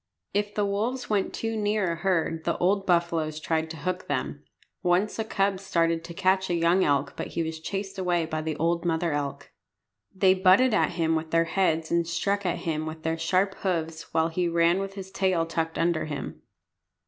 If the wolves went too near a herd the old buffaloes tried to hook them. Once a cub started to catch a young elk, but he was chased away by the old mother elk. They butted at him with their heads and struck at him with their sharp hoofs, while he ran with his tail tucked under him.